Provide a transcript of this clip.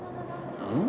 うん？